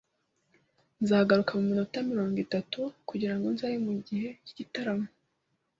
Nzagaruka muminota mirongo itatu kugirango nzabe mugihe cyigitaramo.